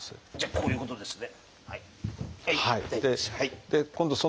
こういうことですね。